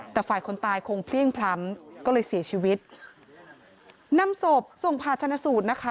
แต่ฝ่ายคนตายคงเพลี่ยงพล้ำก็เลยเสียชีวิตนำศพส่งผ่าชนะสูตรนะคะ